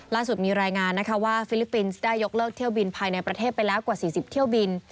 ล่าสุดมีรายงานนะคะว่าฟิลิปปินส์ได้ยกเลิกเที่ยวบินภายในประเทศไปแล้วกว่า๔๐เที่ยวบิน